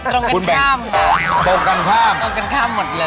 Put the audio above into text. ตรงกันข้ามครับ